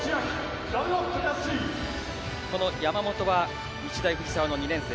山本は日大藤沢の２年生。